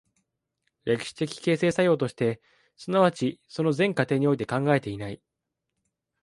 歴史的形成作用として、即ちその全過程において考えていない。